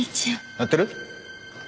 やってる？